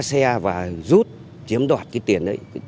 xe và rút chiếm đoạt cái tiền đấy